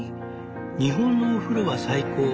日本のお風呂は最高。